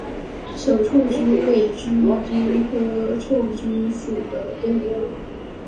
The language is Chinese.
小臭鼩为鼩鼱科臭鼩属的动物。